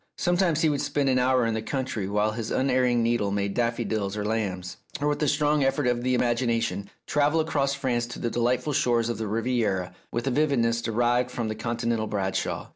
Sometimes he would spend an hour in the country, while his unerring needle made daffo dils and lambs; or, with a strong effort of the imagination, travel across France to the delightful shores of the Riviera with a vividness derived from the Continental Bradshaw.